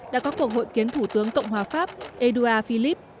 đã có cuộc hội kiến thủ tướng cộng hòa pháp édouard philippe